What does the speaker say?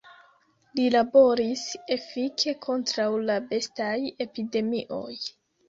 Li laboris efike kontraŭ la bestaj epidemioj.